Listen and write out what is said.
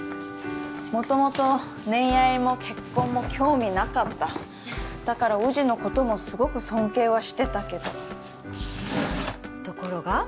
元々恋愛も結婚も興味なかっただから祐鎮のこともすごく尊敬はしてたけどところが？